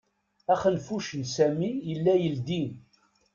Axenfuc n Sami yella yeldi.